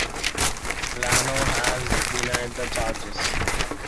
Ianno has denied the charges.